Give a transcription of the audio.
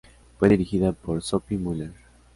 Fue dirigida por Sophie Muller.